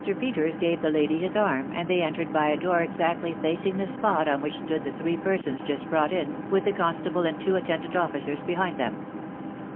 Peters gave the lady his arm, and they entered hy a door exactly facing the spot on which stood the three persons jtist brought in, with the Constable and two attendant officers behind them.